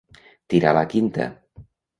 Tirar la quinta.